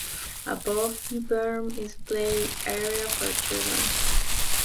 Above the berm is a play area for children.